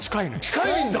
近いんだ！